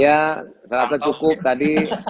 ya saya rasa cukup tadi